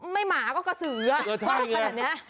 ไม่หมาก็กระสืออะว้าวขนาดนี้